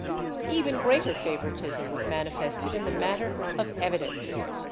Even greater favoritism was manifested in the matter of evi dence.